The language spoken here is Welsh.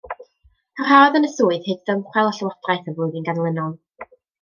Parhaodd yn y swydd hyd ddymchwel y llywodraeth y flwyddyn ganlynol.